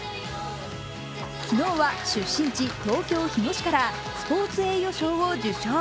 昨日は出身地、東京・日野市からスポーツ栄誉賞を受賞。